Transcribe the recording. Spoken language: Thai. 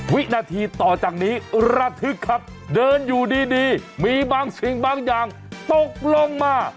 วินาทีต่อจากนี้ระทึกครับเดินอยู่ดีมีบางสิ่งบางอย่างตกลงมา